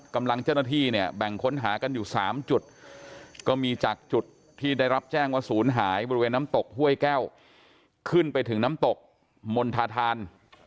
กำลังเจ้าหน้าที่เนี่ยแบ่งค้นหากันอยู่๓จุดก็มีจากจุดที่ได้รับแจ้งว่าศูนย์หายบริเวณน้ำตกห้วยแก้วขึ้นไปถึงน้ำตกมณฑาธาน